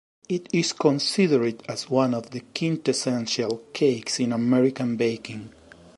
It is considered as one of the quintessential cakes in American baking.